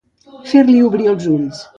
Fer-li obrir els ulls.